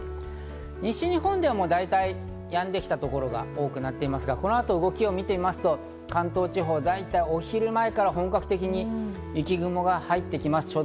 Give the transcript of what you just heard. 西日本ではもう大体やんできたところが多くなっていますが、この後の動きを見てみますと関東地方は大体、お昼前から本格的に雪雲が入ってきます。